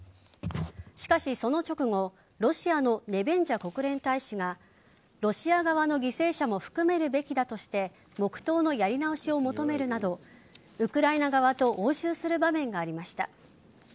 しかし、その直後ロシアのネベンジャ国連大使がロシア側の犠牲者も含めるべきだとして黙とうのやり直しを求めるなどウクライナ側と応酬する場面がありました。